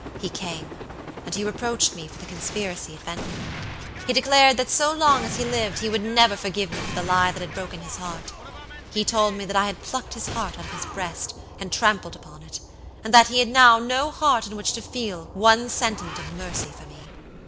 He came, and he reproached me for the conspiracy at Ventnor. He declared that so long as he lived he would never forgive me for the lie that had broken his heart. He told me that I had plucked his heart out of his breast and trampled upon it; and that he had now no heart in which to feel one sentiment of mercy for me.